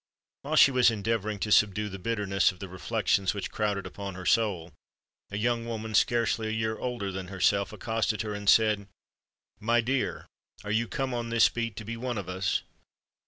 While she was endeavouring to subdue the bitterness of the reflections which crowded upon her soul, a young woman, scarcely a year older than herself, accosted her, and said, "My dear, are you come on this beat to be one of us?"